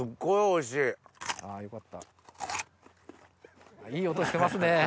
いい音してますね